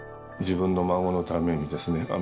自分の孫のためにですね